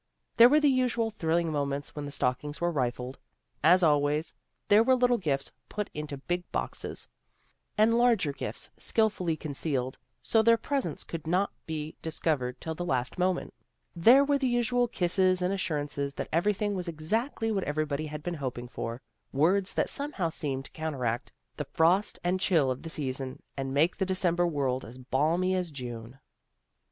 There were the usual thrilling mo ments when the stockings were rifled. As always there were little gifts put into big boxes and larger gifts skilfully concealed, so their presence could not be discovered till the last moment. There were the usual kisses and assurances that everything was exactly what everybody had been hoping for, words that somehow seemed to counteract the frost and chill of the season, and make the December world as balmy as June.